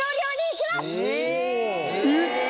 えっ！